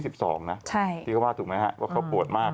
ที่เขาว่าถูกไหมฮะว่าเขาปวดมาก